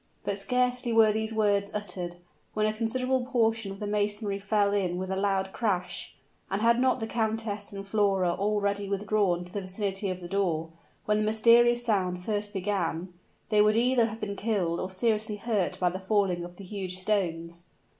But scarcely were these words uttered, when a considerable portion of the masonry fell in with a loud crash; and had not the countess and Flora already withdrawn to the vicinity of the door, when the mysterious sound first began, they would either have been killed or seriously hurt by the falling of the huge stones.